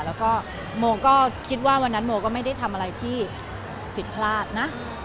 แล้วก็โมก็คิดว่าวันนั้นโมก็ไม่ได้ทำอะไรที่ผิดพลาดนะ